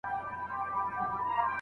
خلګو خپله انګېزه له لاسه ورکړې وه.